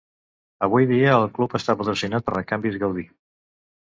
Avui dia, el club està patrocinat per Recanvis Gaudí.